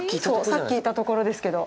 さっきいたところですけど。